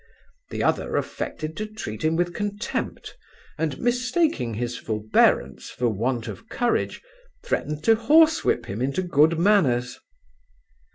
The other affected to treat him with contempt, and mistaking his forbearance for want of courage, threatened to horse whip him into good manners.